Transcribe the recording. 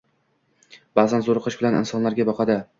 Ba`zan zoriqish bilan insonlarga boqadi